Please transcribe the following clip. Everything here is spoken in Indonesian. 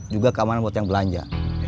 juga keamanan buat yang belanja